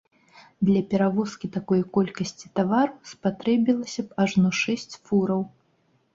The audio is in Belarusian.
Для перавозкі такой колькасці тавару спатрэбілася б ажно шэсць фураў.